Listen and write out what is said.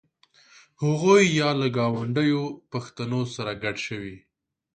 هغوی یا له ګاونډیو پښتنو سره ګډ شوي.